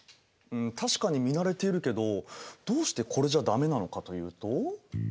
ん確かに見慣れているけどどうしてこれじゃダメなのかというと？